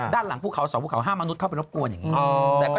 ด้านหลังภูเขา๒ภูเขา๕มนุษย์เข้าไปรบกวนอย่างนี้